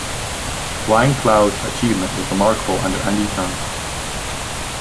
"Flying Cloud"'s achievement was remarkable under any terms.